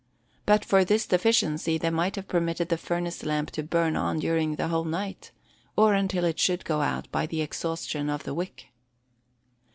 But for this deficiency, they might have permitted the furnace lamp to burn on during the whole night, or until it should go out by the exhaustion of the wick.